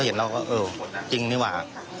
เห็นเราก็เออจริงนี่หว่า